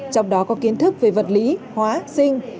trong đó có kiến thức về vật lý hóa sinh